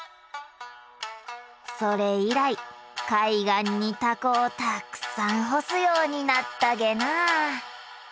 それ以来海岸にたこをたくさん干すようになったげなぁ。